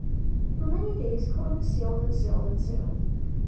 For many days Columbus sailed and sailed and sailed.